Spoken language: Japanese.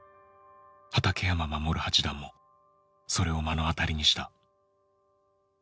畠山鎮八段もそれを目の当たりにした。